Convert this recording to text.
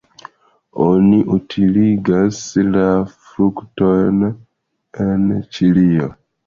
Oni utiligas la fruktojn en Ĉilio.